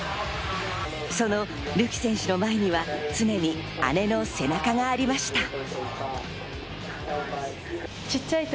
そのるき選手の前には常に姉の背中がありました。